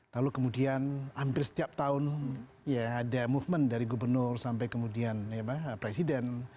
lalu kemudian hampir setiap tahun ya ada movement dari gubernur sampai kemudian presiden